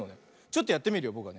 ちょっとやってみるよ。